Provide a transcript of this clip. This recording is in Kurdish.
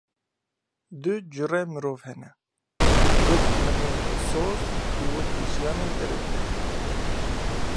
Du cure mirov hene; wekî mirinê dilsoz û wekî jiyanê derewker!